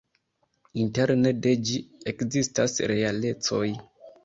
Interne de ĝi ekzistas realecoj.